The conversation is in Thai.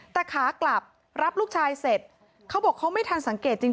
แต่ขากลับรับลูกชายเสร็จเขาบอกเขาไม่ทันสังเกตจริง